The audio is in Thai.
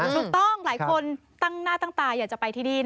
ถูกต้องหลายคนตั้งหน้าตั้งตาอยากจะไปที่นี่